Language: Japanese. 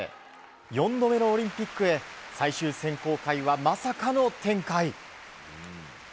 ４度目のオリンピックへ最終選考会はまさかの展開。